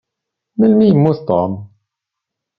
Melmi i yemmut Tom?